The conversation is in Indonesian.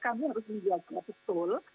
kami harus melihat betul